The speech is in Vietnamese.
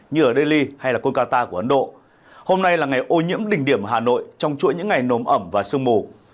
như ở delhi hay là kolkata của ấn độ hôm nay là ngày ô nhiễm đỉnh điểm hà nội trong chuỗi những ngày nồm ẩm và sương mù